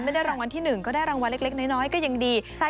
ไม่ได้รางวัลที่๑ก็ได้รางวัลเล็กน้อยก็ยังดี